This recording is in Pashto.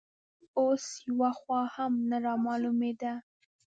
اوس یوه خوا هم نه رامالومېده